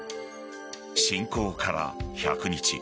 侵攻から１００日。